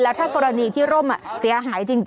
ถ้ากรณีที่ร่มเสียหายจริง